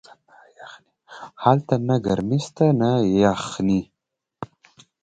هلته نه گرمي سته نه يخني.